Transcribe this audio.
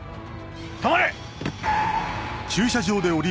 止まれ！